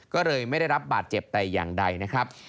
ก็เลยไม่ได้รับบาดเจ็บแต่อย่างใดนะครับ